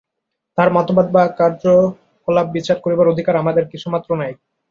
তাঁহার মতামত বা কার্যকলাপ বিচার করিবার অধিকার আমাদের কিছুমাত্র নাই।